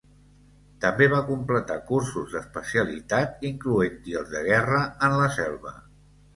També va completar cursos d'especialitat incloent-hi els de guerra en la selva.